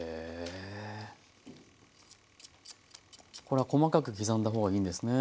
これは細かく刻んだ方がいいんですね。